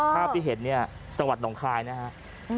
ค่าพิเศษนี่จังหวัดหนองคลายนะครับ